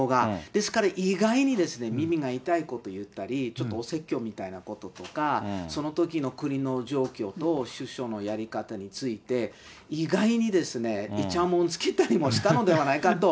ですから意外にですね、耳が痛いこと言ったり、ちょっとお説教みたいなこととか、そのときの国の状況と首相のやり方について、意外に、いちゃもんつけたりもしたのではないかと。